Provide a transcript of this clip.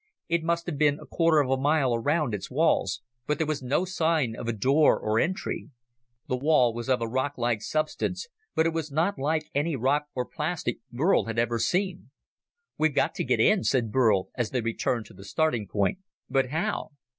It must have been a quarter of a mile around its walls, but there was no sign of a door or entry. The wall was of a rocklike substance, but it was not like any rock or plastic Burl had ever seen. "We've got to get in," said Burl as they returned to the starting point, "but how?"